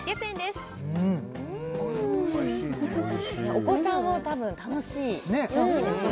お子さんもたぶん楽しい商品ですよね